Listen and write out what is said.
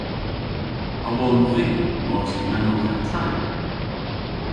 A wonn vy mars yw menowgh an tren?